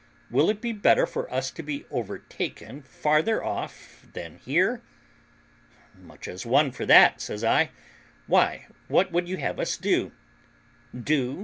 Will it be better for us to be overtaken farther off than here?" "Much as one for that," says I; "why, what would you have us do?" "Do!"